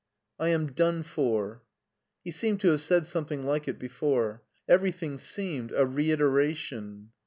" I am done for.'* He seemed to Have said some thing like It before. Everything seemed a reiteration.